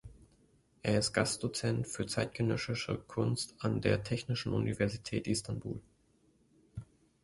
Er ist Gastdozent für zeitgenössische Kunst an der Technischen Universität Istanbul.